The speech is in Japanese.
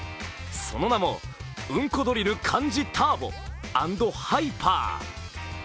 その名も「うんこドリル漢字ターボ」＆「ハイパー」。